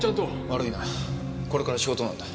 悪いなこれから仕事なんだ。